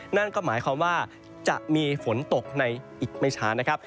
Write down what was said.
นั่นก็หมายความว่าจะมีฝนตกในอีกไม่ช้านะครับ